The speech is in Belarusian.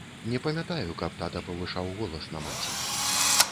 Не памятаю, каб тата павышаў голас на маці.